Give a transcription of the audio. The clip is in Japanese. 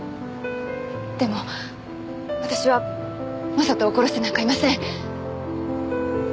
でも私は将人を殺してなんかいません。